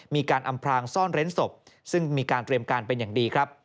มีการอำพลางซ่อนเร้นศพซึ่งมีการเตรียมการเป็นอย่างดีครับ